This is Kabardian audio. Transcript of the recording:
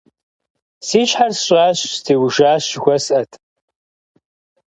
Си щхьэр сщӀащ – «стеужащ» жыхуэсӀэт.